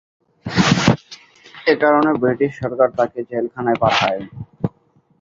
এ কারণে ব্রিটিশ সরকার তাঁকে জেলখানায় পাঠায়।